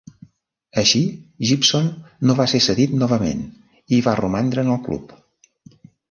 Així, Gibson no va ser cedit novament i va romandre en el club.